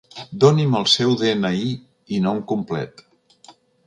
Doni'm el seu de-ena-i i nom complet.